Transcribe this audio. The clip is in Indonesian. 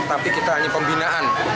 tapi kita hanya pembinaan